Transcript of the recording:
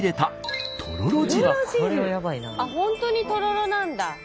本当にとろろなんだ。